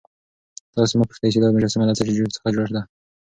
تاسو مه پوښتئ چې دا مجسمه له څه شي څخه جوړه ده.